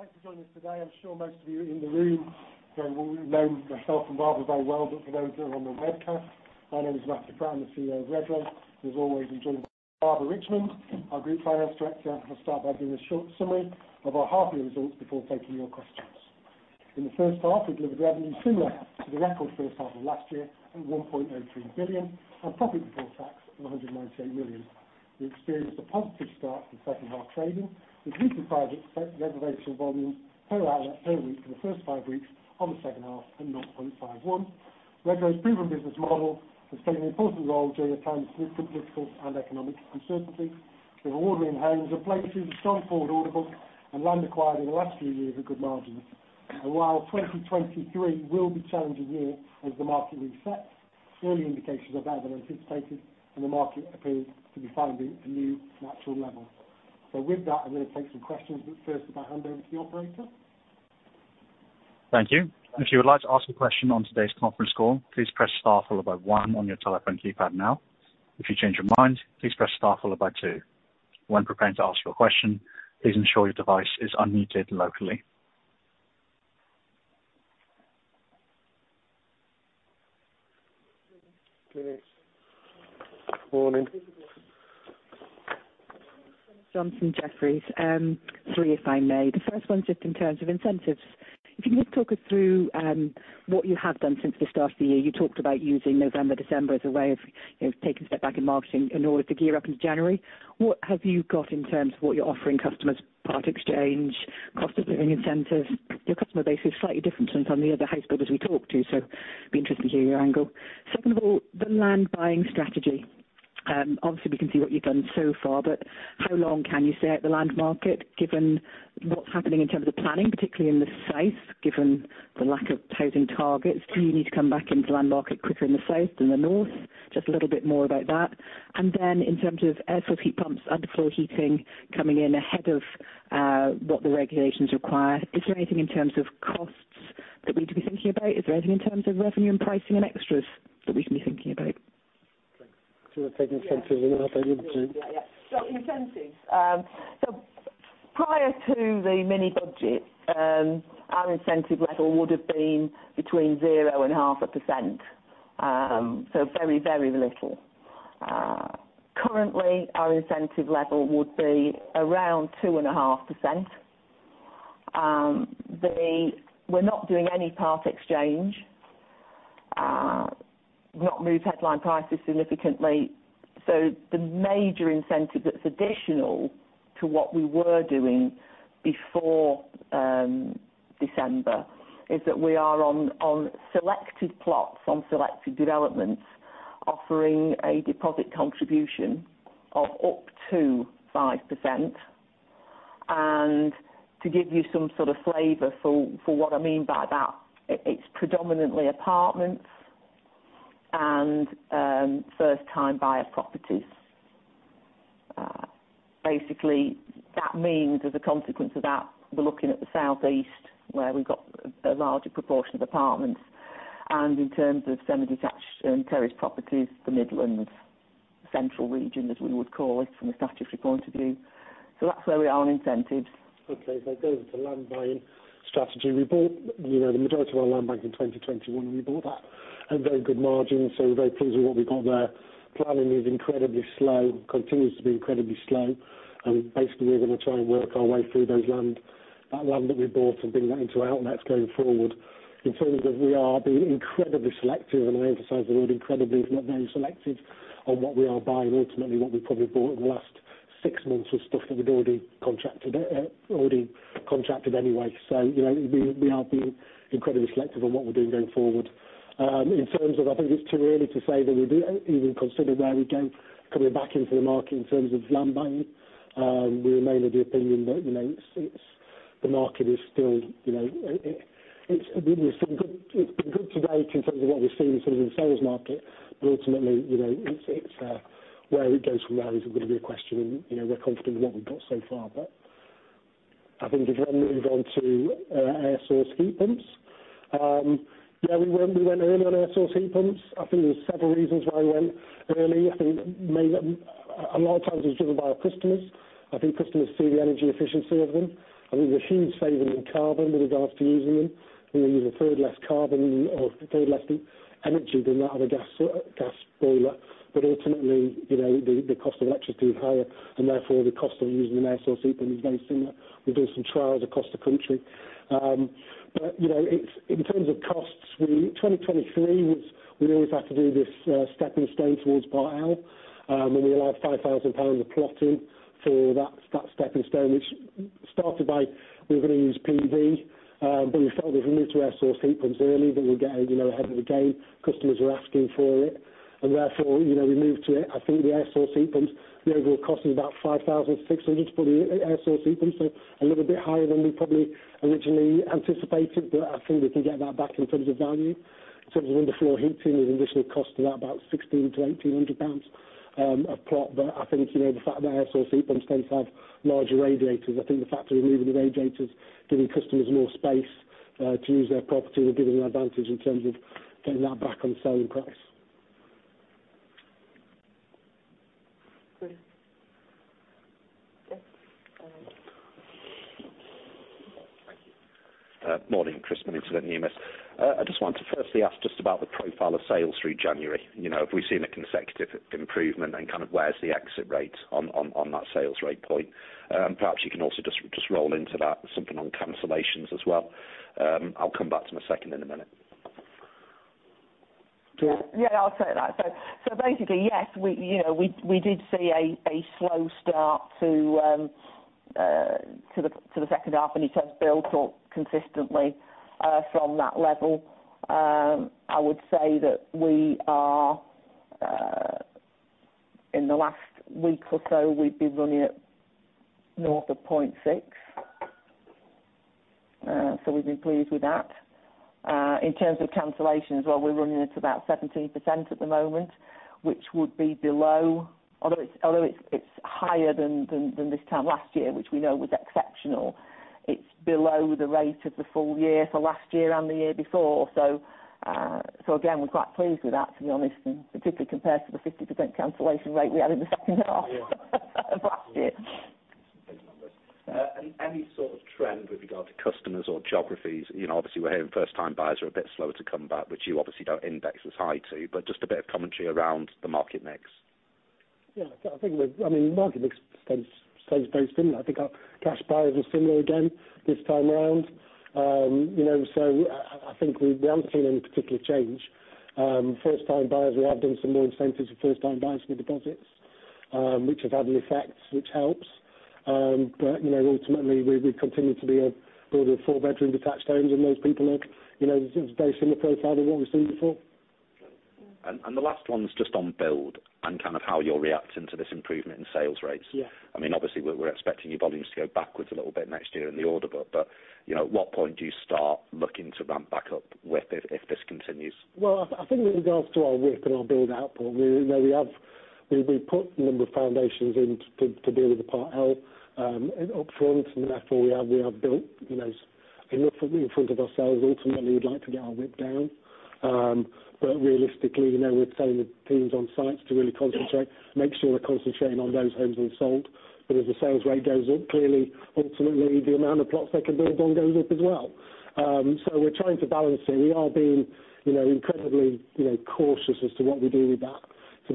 Okay. Thanks for joining us today. I'm sure most of you in the room know myself and Barbara very well. For those that are on the webcast, my name is Matthew Pratt, I'm the CEO of Redrow. As always, I'm joined by Barbara Richmond, our Group Finance Director. I'll start by giving a short summary of our half year results before taking your questions. In the first half, we delivered revenue similar to the record first half of last year at 1.03 billion, and profit before tax of 198 million. We experienced a positive start to second half trading, with booking price reservation volume per outlet per week for the first five weeks of the second half at 0.51. Redrow's proven business model has played an important role during a time of significant political and economic uncertainty, with ordering homes in places, a strong forward order book, and land acquired in the last few years at good margins. While 2023 will be a challenging year as the market resets, early indications are better than anticipated and the market appears to be finding a new natural level. With that, I'm going to take some questions, but first if I hand over to the operator. Thank you. If you would like to ask a question on today's conference call, please press star followed by one on your telephone keypad now. If you change your mind, please press star followed by two. When preparing to ask your question, please ensure your device is unmuted locally. Good morning. Glynis Johnson. Three if I may. The first one's just in terms of incentives. If you could just talk us through what you have done since the start of the year. You talked about using November, December as a way of, you know, taking a step back in marketing in order to gear up into January. What have you got in terms of what you're offering customers, part exchange, cost of living incentives? Your customer base is slightly different from some of the other house builders we talk to, so be interesting to hear your angle. Second of all, the land buying strategy. Obviously we can see what you've done so far, but how long can you stay at the land market given what's happening in terms of planning, particularly in the South, given the lack of housing targets? Do you need to come back into the land market quicker in the South than the North? Just a little bit more about that. Then in terms of air source heat pumps, underfloor heating coming in ahead of what the regulations require, is there anything in terms of costs that we need to be thinking about? Is there anything in terms of revenue and pricing and extras that we should be thinking about? Do you want to take the incentives and I'll take the- Incentives. Prior to the mini budget, our incentive level would have been between 0.5%. Very, very little. Currently, our incentive level would be around 2.5%. We're not doing any part exchange. Not moved headline prices significantly. The major incentive that's additional to what we were doing before, December, is that we are on selected plots on selected developments, offering a deposit contribution of up to 5%. To give you some sort of flavor for what I mean by that, it's predominantly apartments and first-time buyer properties. Basically that means as a consequence of that, we're looking at the Southeast where we've got a larger proportion of apartments. In terms of semi-detached and terraced properties, the Midlands, Central region, as we would call it from a statutory point of view. That's where we are on incentives. Okay. If I go over to land buying strategy. We bought, you know, the majority of our land bank in 2021. We bought that at very good margins, so we're very pleased with what we've got there. Planning is incredibly slow, continues to be incredibly slow. Basically, we're going to try and work our way through that land that we bought and bring that into our outlets going forward. In terms of we are being incredibly selective. I emphasize the word incredibly, if not very selective, on what we are buying. Ultimately, what we probably bought in the last six months was stuff that we'd already contracted, already contracted anyway. You know, we are being incredibly selective on what we're doing going forward. In terms of I think it's too early to say that we do even consider where we go coming back into the market in terms of land buying. We remain of the opinion that, you know, it's, the market is still, you know. It's been good to date in terms of what we've seen in terms of the sales market. Ultimately, you know, it's, where it goes from there is going to be a question. You know, we're confident in what we've got so far. I think if you want to move on to air source heat pumps. Yeah, we went early on air source heat pumps. I think there's several reasons why we went early. A lot of times it's driven by our customers. I think customers see the energy efficiency of them. I think there's a huge saving in carbon with regards to using them. You know, you've a third less carbon or a third less energy than that of a gas boiler. Ultimately, you know, the cost of electricity is higher and therefore the cost of using an air source heat pump is very similar. We're doing some trials across the country. You know, it's, in terms of costs, 2023 was, we always had to do this stepping stone towards Part L, and we allowed 5,000 pounds a plot in for that stepping stone, which started by we're going to use PV. We felt if we moved to air source heat pumps early that we'd get, you know, ahead of the game. Customers are asking for it. Therefore, you know, we moved to it. I think the air source heat pumps, the overall cost is about 5,600 for the air source heat pump, so a little bit higher than we probably originally anticipated. I think we can get that back in terms of value. In terms of underfloor heating, there's additional cost to that, about 1,600-1,800 pounds a plot. I think, you know, the fact that air source heat pumps don't have larger radiators, I think the fact we're moving the radiators, giving customers more space to use their property will give them an advantage in terms of getting that back on selling price. Thank you. Morning, Chris Yeah.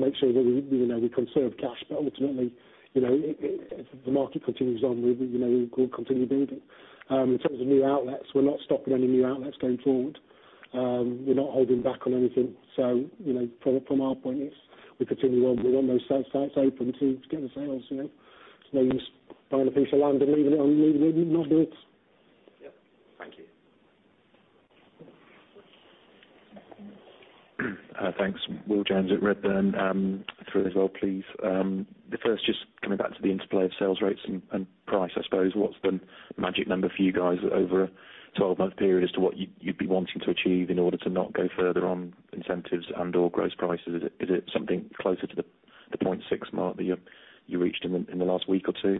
Thank you. Thanks, Will Jones at Redburn. Three as well, please. The first just coming back to the interplay of sales rates and price, I suppose. What's the magic number for you guys over a 12-month period as to what you'd be wanting to achieve in order to not go further on incentives and/or gross prices? Is it something closer to the 0.6 mark that you reached in the last week or two?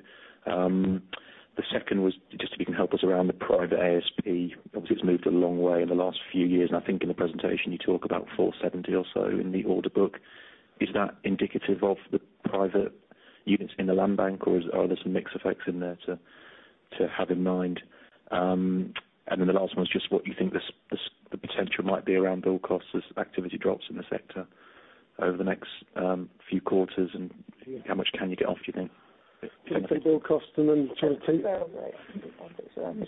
The second was just if you can help us around the private ASP. Obviously, it's moved a long way in the last few years, and I think in the presentation you talk about 470 or so in the order book. Is that indicative of the private units in the land bank, or are there some mix effects in there to have in mind? And then the last one is just what you think the potential might be around build costs as activity drops in the sector over the next few quarters, and how much can you get off, do you think? Build cost and then Sales rate and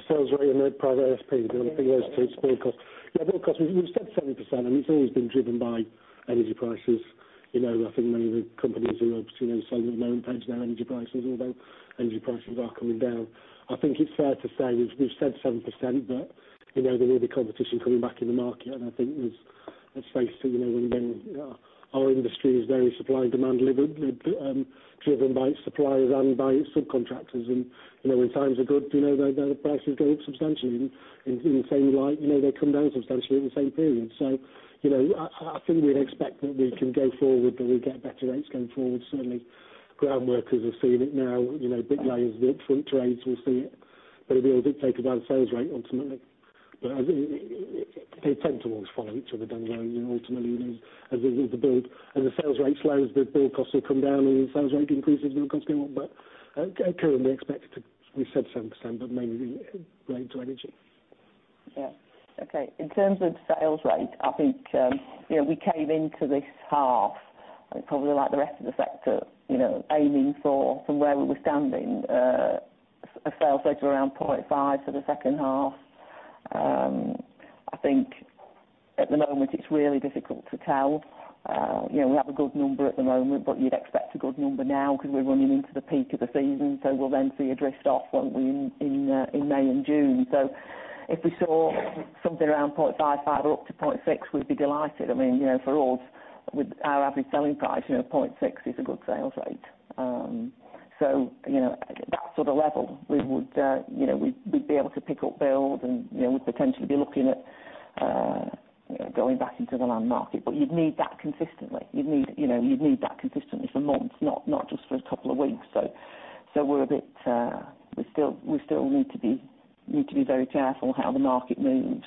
then private ASP. Those two, build cost. Yeah, build cost. We've said 7%, and it's always been driven by energy prices. You know, I think many of the companies are obviously selling at lower rates than their energy prices, although energy prices are coming down. I think it's fair to say we've said 7%, but you know, there is a competition coming back in the market, and I think there's a space to, you know, when our industry is very supply and demand driven by suppliers and by subcontractors. You know when times are good you know the prices go up substantially. In the same light you know they come down substantially in the same period. You know I think we'd expect that we can go forward, that we get better rates going forward. Certainly ground workers are seeing it now, you know, bricklayers, fit-out trades will see it, but it'll be a bit taken by the sales rate ultimately. I think they tend to always follow each other, don't they? Ultimately, as the sales rate slows the build costs will come down, and as the sales rate increases build costs go up. currently expect to we've said 7%, but mainly related to energy. In terms of sales rate, I think, you know, we came into this half probably like the rest of the sector, you know, aiming for from where we were standing, a sales rate of around 0.5 for the second half. I think at the moment it's really difficult to tell. You know, we have a good number at the moment, but you'd expect a good number now because we're running into the peak of the season. We'll then see a drift off, won't we, in May and June. If we saw something around 0.55-0.6, we'd be delighted. I mean, you know, for us with our average selling price, you know, 0.6 is a good sales rate. You know, at that sort of level we would, you know, we'd be able to pick up build and, you know, we'd potentially be looking at, going back into the land market. You'd need that consistently. You'd need, you know, you'd need that consistency for months, not just a couple of weeks. We're a bit, we still need to be very careful how the market moves.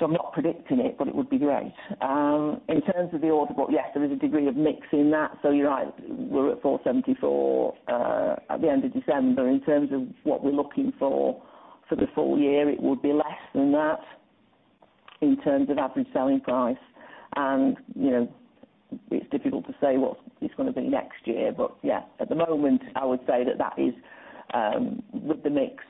I'm not predicting it, but it would be great. In terms of the order book, yes, there is a degree of mix in that. You're right, we're at 474, at the end of December. In terms of what we're looking for for the full year, it would be less than that in terms of average selling price. You know, it's difficult to say what it's gonna be next year. Yeah, at the moment, I would say that that is, with the mix,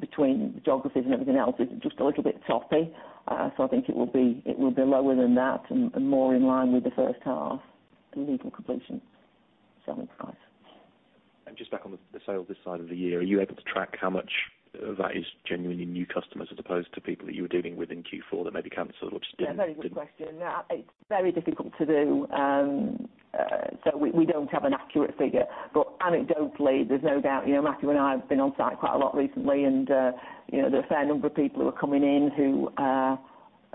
between geographies and everything else, is just a little bit sloppy. I think it will be lower than that and more in line with the first half in legal completion selling price. Just back on the sales this side of the year, are you able to track how much of that is genuinely new customers as opposed to people that you were dealing with in Q4 that maybe canceled or just didn't? Yeah, very good question. No, it's very difficult to do. We don't have an accurate figure. Anecdotally, there's no doubt, you know, Matthew and I have been on site quite a lot recently and, you know, there are a fair number of people who are coming in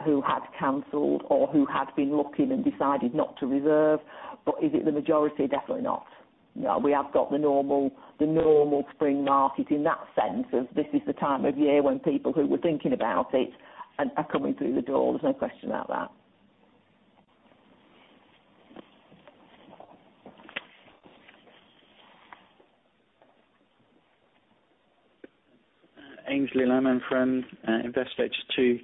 who had canceled or who had been looking and decided not to reserve. Is it the majority? Definitely not. We have got the normal spring market in that sense of this is the time of year when people who were thinking about it and are coming through the door. There's no question about that. Aynsley Lammin from Investec. Just two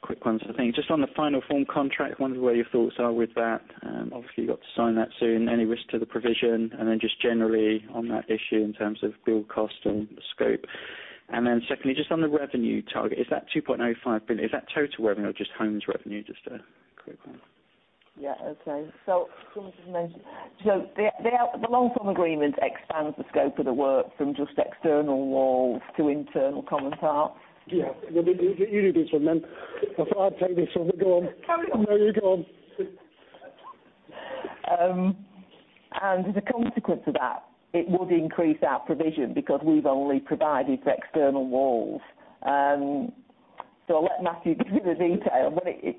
quick ones I think. Just on the final form contract, wonder where your thoughts are with that. Obviously you've got to sign that soon. Any risk to the provision? Just generally on that issue in terms of build cost and scope. Secondly, just on the revenue target, is that 2.05 billion, is that total revenue or just homes revenue? Just a quick one. Yeah, okay. Someone just mentioned. The Long Form Agreement expands the scope of the work from just external walls to internal common parts. Yeah. You do this one then before I take this one. Go on. Carry on. No, you go on. As a consequence of that, it would increase our provision because we've only provided for external walls. I'll let Matthew give you the detail, but it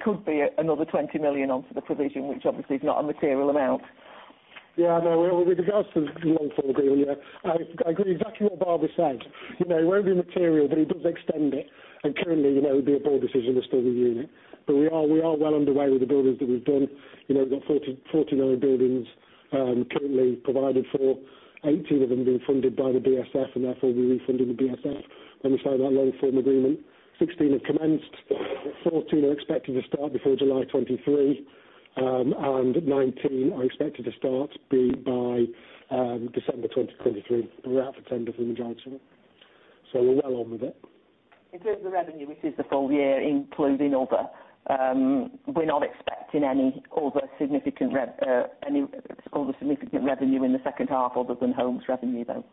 could be another 20 million onto the provision, which obviously is not a material amount. Yeah, I know. With regards to the Long Form Agreement, I agree exactly what Barbara said. You know, it won't be material, but it does extend it. Currently, you know, it'd be a board decision to still review it. We are well underway with the buildings that we've done. You know, we've got 49 buildings currently provided for. 18 of them being funded by the BSF, and therefore we're refunding the BSF. When we sign that Long Form Agreement, 16 have commenced, 14 are expected to start before July 2023, and 19 are expected to start by December 2023. We're out for tender from the joint venture. We're well on with it. In terms of revenue, which is the full year, including other, we're not expecting any other significant revenue in the second half other than homes revenue, though.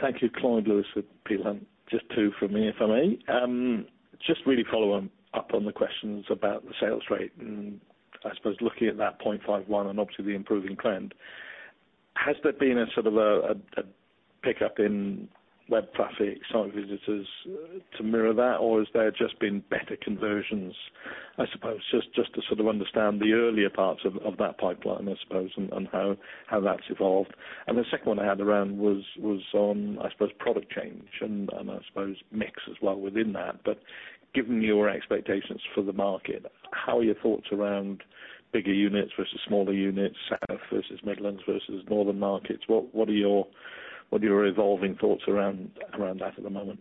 Thank you. Clyde Lewis with Peel Hunt. Just two from me, if I may. Just really following up on the questions about the sales rate, and I suppose looking at that 0.51 and obviously the improving trend. Has there been a sort of a pickup in web traffic, site visitors to mirror that, or has there just been better conversions? I suppose just to sort of understand the earlier parts of that pipeline, I suppose, and how that's evolved. The second one I had around was on, I suppose, product change and I suppose mix as well within that. Given your expectations for the market, how are your thoughts around bigger units versus smaller units, South versus Midlands versus Northern markets? What are your evolving thoughts around that at the moment?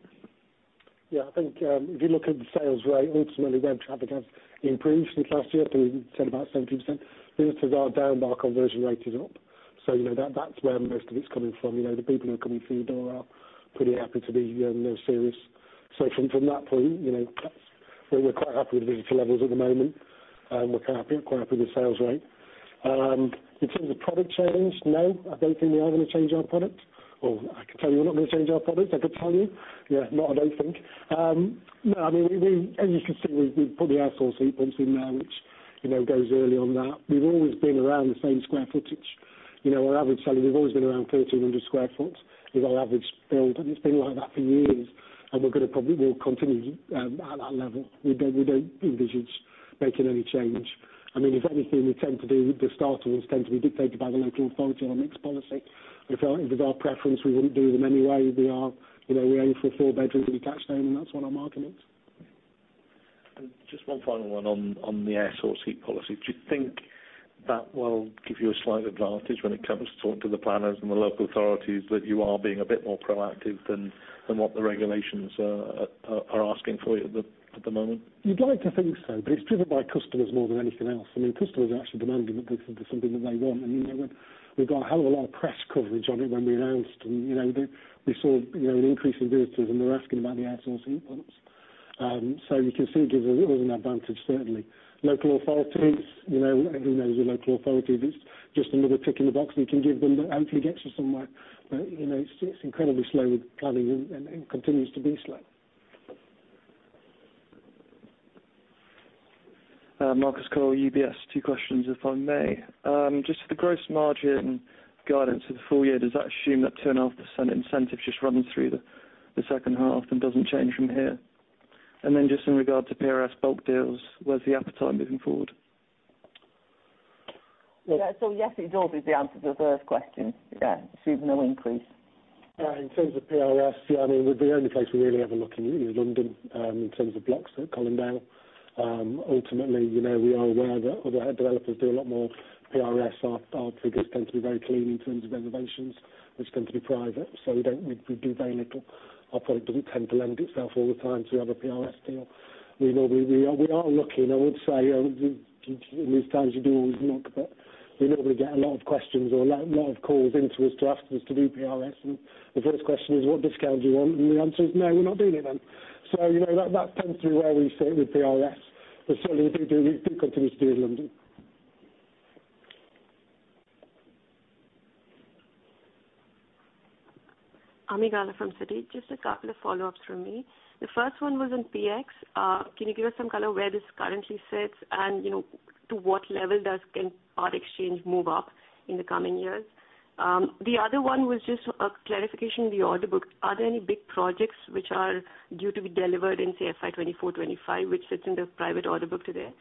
I think, if you look at the sales rate, ultimately web traffic has improved since last year. I think we said about 17%. Visitors are down, our conversion rate is up. You know, that's where most of it's coming from. You know, the people who are coming through the door are pretty happy to be, you know, serious. From that point, you know, that's where we're quite happy with visitor levels at the moment, and we're quite happy with the sales rate. In terms of product change, no, I don't think we are gonna change our product. I can tell you we're not gonna change our product, I could tell you. Not I don't think. No, I mean, we As you can see, we've put the air source heat pumps in now, which, you know, goes early on that. We've always been around the same square footage. You know, our average selling, we've always been around 1,300 square foot is our average build, and it's been like that for years, and we're gonna probably will continue at that level. We don't, we don't envisage making any change. I mean, if anything, we tend to do the starter ones tend to be dictated by the local authority on a mix policy. If it was our preference, we wouldn't do them anyway. We are, you know, we aim for a four bedroomed detached home, and that's what our market is. Just one final one on the air source heat policy. Do you think that will give you a slight advantage when it comes to talking to the planners and the local authorities, that you are being a bit more proactive than what the regulations are asking for at the moment? You'd like to think so, but it's driven by customers more than anything else. I mean, customers are actually demanding it because it's something that they want. You know, we've got a hell of a lot of press coverage on it when we announced. We saw, you know, an increase in visitors and they're asking about the air source heat pumps. You can see it gives us an advantage certainly. Local authorities, you know, who knows the local authorities. It's just another tick in the box we can give them that hopefully gets us somewhere. You know, it's incredibly slow with planning and it continues to be slow. Marcus Cole, UBS. Two questions, if I may. Just the gross margin guidance for the full year, does that assume that 2.5% incentive's just running through the second half and doesn't change from here? Just in regard to PRS bulk deals, where's the appetite moving forward? Yeah, yes, it is obviously the answer to the first question. Yeah. Assume no increase. In terms of PRS, yeah, I mean, the only place we really ever look in is London, in terms of blocks at Colindale. Ultimately, you know, we are aware that other developers do a lot more PRS. Our, our figures tend to be very clean in terms of reservations, which tend to be private. We do very little. Our product doesn't tend to lend itself all the time to have a PRS deal. We are, we are looking, I would say, in these times, you do always look, but we normally get a lot of questions or a lot of calls into us to ask us to do PRS. The first question is, what discount do you want? The answer is, no, we're not doing it then. You know, that's kind of where we sit with PRS. Certainly, we do continue to do in London. Ami Galla from Citi. Just a couple of follow-ups from me. The first one was on PX. Can you give us some color where this currently sits and, you know, to what level can partexchange move up in the coming years? The other one was just a clarification of the order book. Are there any big projects which are due to be delivered in, say, FY 2024/2025, which sits in the private order book today?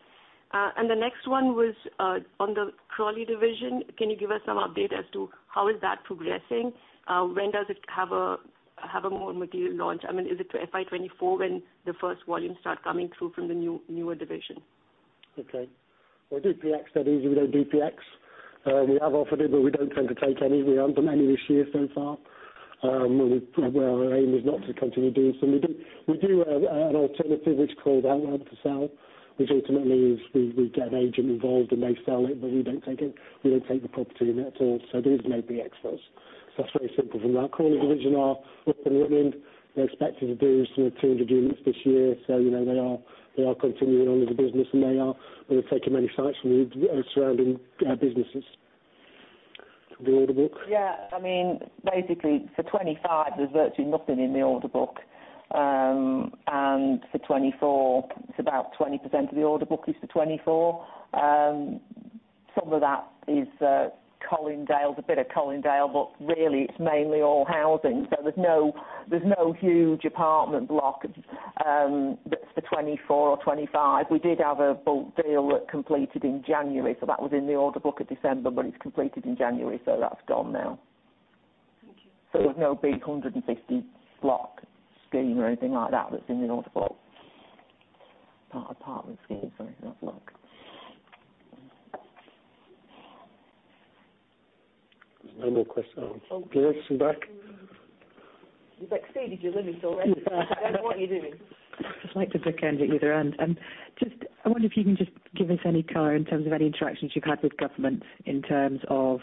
The next one was on the Crawley division. Can you give us some update as to how is that progressing? When does it have a more material launch? I mean, is it to FY 2024 when the first volumes start coming through from the newer division? Okay. Well, we do PX studies. We don't do PX. we have offered it, but we don't tend to take any. We haven't done any this year so far. Well, our aim is not to continue doing so. We do have an alternative which is called Outright for Sale, which ultimately is we get an agent involved and they sell it, but we don't take it. We don't take the property in that at all. These are no PX for us. That's very simple from that. Crawley division are up in England. They're expected to do sort of 200 units this year. You know, they are continuing on as a business Well, they're taking many sites from the surrounding businesses. The order book? Yeah. I mean, basically for 2025, there's virtually nothing in the order book. For 2024, it's about 20% of the order book is for 2024. Some of that is Colindale. There's a bit of Colindale, but really it's mainly all housing. There's no, there's no huge apartment block that's for 2024 or 2025. We did have a bulk deal that completed in January, so that was in the order book at December, but it's completed in January, so that's gone now. Thank you. There's no big 150 block scheme or anything like that that's in the order book. Part apartment scheme, sorry, not block. No more questions. Okay. Glynis, you back? You've exceeded your limit already. I don't know what you're doing. Just like to bookend at either end. Just, I wonder if you can just give us any color in terms of any interactions you've had with government in terms of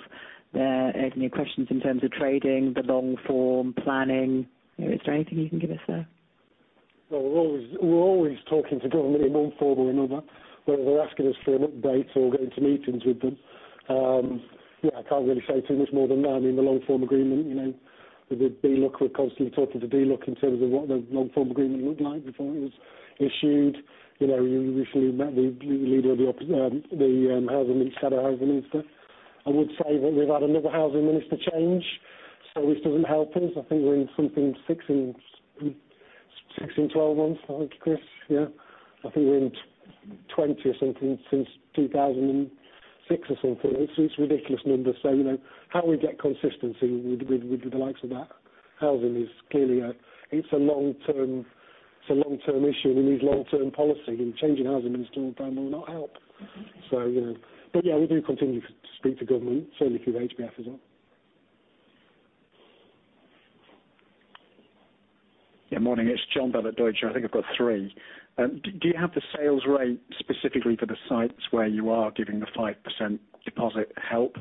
their asking you questions in terms of trading, the long form planning. Is there anything you can give us there? Well, we're always talking to government in one form or another, whether they're asking us for an update or going to meetings with them. Yeah, I can't really say too much more than that. I mean, the Long Form Agreement, you know. With DLUHC, we're constantly talking to DLUHC in terms of what the Long Form Agreement looked like before it was issued. You know, you recently met the housing minister, shadow housing minister. I would say that we've had another housing minister change, so this doesn't help us. I think we're in something sixth in 12 months, right, Chris? Yeah. I think we're in 20 or something since 2006 or something. It's ridiculous numbers. you know, how we get consistency with the likes of that housing is clearly it's a long-term issue and we need long-term policy, and changing housing minister all the time will not help. you know. yeah, we do continue to speak to government, certainly through the HBF as well. Morning. It's Jon Bell at Deutsche. I think I've got three. Do you have the sales rate specifically for the sites where you are giving the 5% deposit help?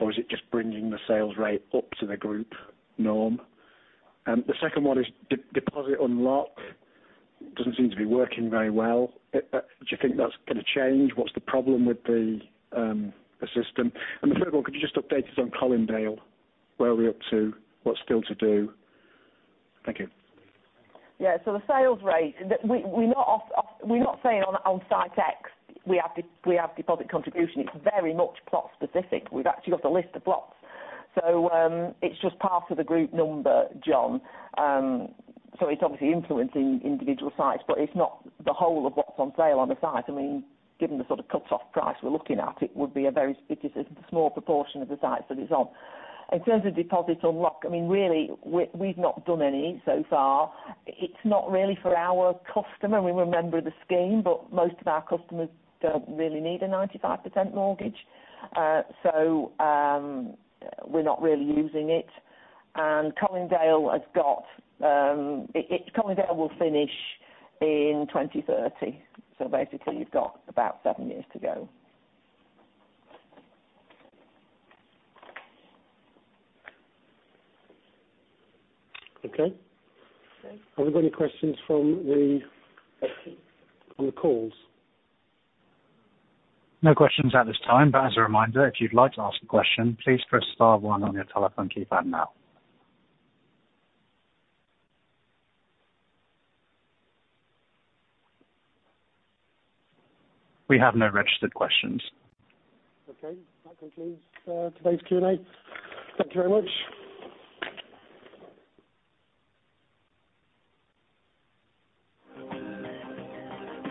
Or is it just bringing the sales rate up to the group norm? The second one is Deposit Unlock. Doesn't seem to be working very well. Do you think that's gonna change? What's the problem with the system? The third one, could you just update us on Colindale? Where are we up to? What's still to do? Thank you. So the sales rate, We're not saying on site X we have deposit contribution. It's very much plot specific. We've actually got the list of plots. It's just part of the group number, Jon. It's obviously influencing individual sites, but it's not the whole of what's on sale on the site. I mean, given the sort of cut-off price we're looking at, it would be a very spitty small proportion of the sites that it's on. In terms of Deposit Unlock, I mean, really, we've not done any so far. It's not really for our customer. We remember the scheme, but most of our customers don't really need a 95% mortgage. We're not really using it. Colindale has got, Colindale will finish in 2030. Basically, you've got about seven years to go. Okay. Have we got any questions on the calls? No questions at this time. As a reminder, if you'd like to ask a question, please press star one on your telephone keypad now. We have no registered questions. Okay. That concludes today's Q&A. Thank you very much.